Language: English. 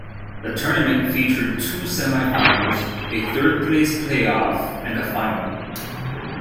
The tournament featured two semi-finals, a third-place play-off, and a final.